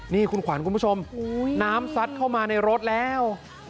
นี่คุณขวัญคุณผู้ชมน้ำซัดเข้ามาในรถแล้ว